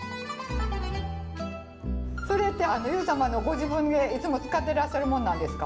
それって優様のご自分でいつも使ってらっしゃるものなんですか？